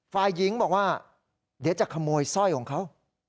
ฝ่ายหญิงบอกว่าเดี๋ยวจะขโมยสร้อยของเขา